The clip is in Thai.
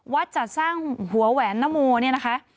วัดจัดสร้างหัวแหวนหน้าโมนี่นะคะ